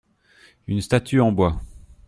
Une statue en bois.